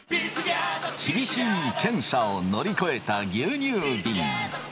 厳しい検査を乗り越えた牛乳びん。